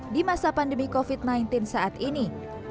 di masa pandemi covid sembilan belas saat ini